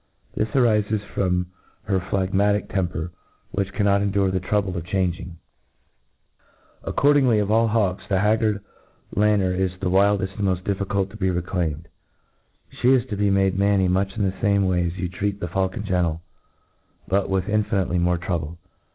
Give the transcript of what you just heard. Thts'arifes from her phlegma« tic temper, which cannot endure the trouble of changing^ Accordingly, a^n A T RE ATIS E OF Accordingly, of all hawks, the haggard lanner is the wildeit and moft difEcult to be reclaimed. She is to be made manny much in the fame way as you treat the faulcon gentlc, but with infinitely more trouble.